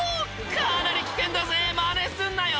かなり危険だぜマネすんなよ！」